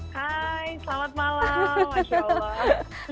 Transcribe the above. hai selamat malam